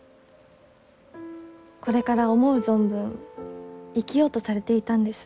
これから思う存分生きようとされていたんです。